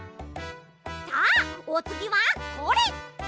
さあおつぎはこれ！